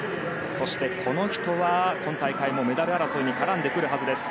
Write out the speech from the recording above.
そして、この人は今大会もメダル争いに絡んでくるはずです。